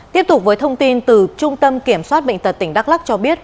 tiếp tục với thông tin từ trung tâm kiểm soát bệnh tật tỉnh đắk lắc cho biết